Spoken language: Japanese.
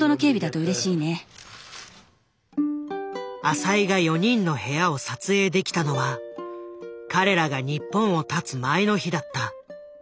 浅井が４人の部屋を撮影できたのは彼らが日本をたつ前の日だった。